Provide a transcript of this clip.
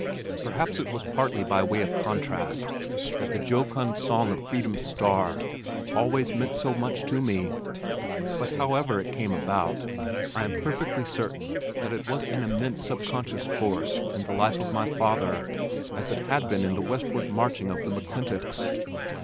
Perhaps it was partly by way of contrast that the jocund song of Freedom's Star always meant so much to me, but however it came about, I am perfectly certain that it was an immense subconscious force in the life of my father as it had been in the westward marching of the McClintocks.